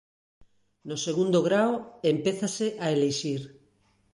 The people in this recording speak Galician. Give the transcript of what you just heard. No segundo grao, empézase a elixir.